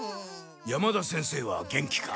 山田先生は元気か？